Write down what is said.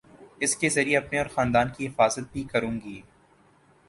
اس کے ذریعے اپنے اور خاندان کی حفاظت بھی کروں گی